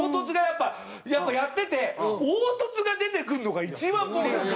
やっぱやってて凹凸が出てくるのが一番もうなんか。